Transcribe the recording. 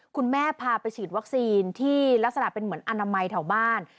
คุณแม่พาไปฉีดวัคซีนที่ลักษณะเป็นเหมือนอนามัยแถวบ้าน